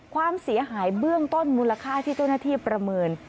ความเสียหายเบื้องต้นมูลค่าที่เจ้าหน้าที่ประเมิน